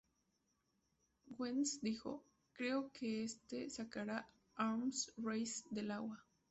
Wentz dijo: "Creo que este sacará Arms Race del agua.